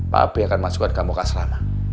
papi akan masukkan kamu ke asrama